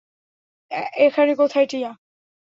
এখানে কোথায়, টিয়া?